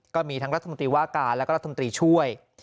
ก็มีทั้งรัฐมนตรีว่าการแล้วก็รัฐมนตรีช่วย